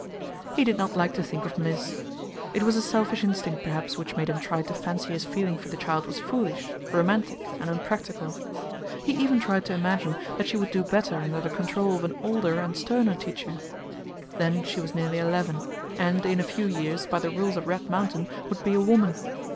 He did not like to think of Mliss. It was a selfish instinct, perhaps, which made him try to fancy his feeling for the child was foolish, romantic, and unpractical. He even tried to imagine that she would do better under the control of an older and sterner teacher. Then she was nearly eleven, and in a few years, by the rules of Red Mountain, would be a woman.